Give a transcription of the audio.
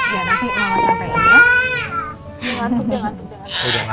nanti mama sampe aja ya